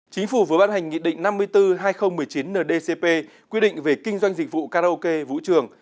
chính phủ vừa bán hành nghị định năm mươi bốn hai nghìn một mươi chín ndcp quy định về kinh doanh dịch vụ karaoke vũ trường